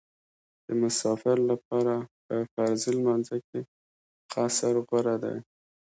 د مسافر لپاره په فرضي لمانځه کې قصر غوره دی